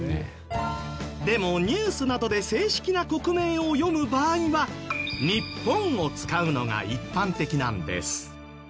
でもニュースなどで正式な国名を読む場合は「ニッポン」を使うのが一般的なんです。